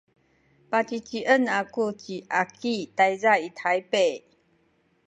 pacicien aku ci Aki tayza i Taypak.